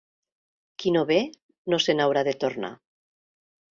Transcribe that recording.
Qui no ve, no se n'haurà de tornar.